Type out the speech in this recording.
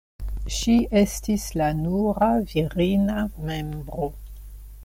Ŝi estis la nura virina membro.